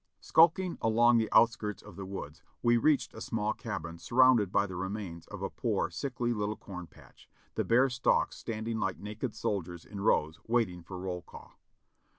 Skulking along the outskirts of the woods we reached a small cabin surrounded by the remains of a poor, sickly little corn patch, the bare stalks standing like naked soldiers in rows waiting for roll call.